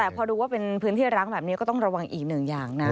แต่พอดูว่าเป็นพื้นที่ร้างแบบนี้ก็ต้องระวังอีกหนึ่งอย่างนะ